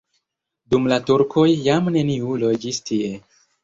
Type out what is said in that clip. Dum la turkoj jam neniu loĝis tie.